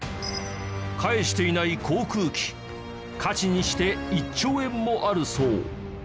返していない航空機価値にして１兆円もあるそう。